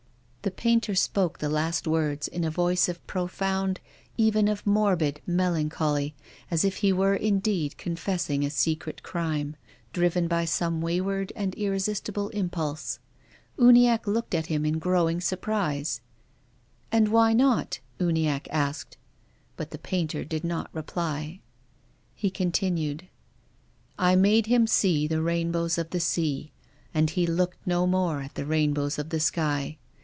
The painter spoke the last words in a voice of profound, even of morbid, melancholy, as if he were indeed confessing a secret crime, driven by some wayward and irresistible impulse. Uniacke looked at him in growing surprise. " And why not ?" Uniackc asked. But the painter did not reply. He continued: " I made him see the rainbows of the sea and he looked no more at the rainbows of tlie sky.